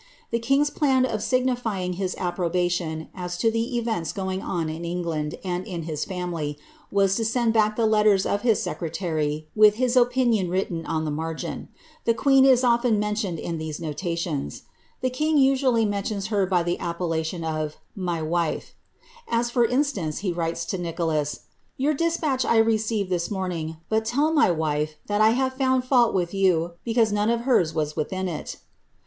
The king's plan of signifying his approbation, as to the events going on in England and in his family, was to send back the letters of his secRiaiy with his opinion written on the margin. The queen is often mentioned in these notations. The king usually mentions her by the appellation of ^ my wife." As, for instance, he writes to Nicholas, ^ Your despatch I received this morning ; but tell my wife that I have found fault with you because none of hers was within it."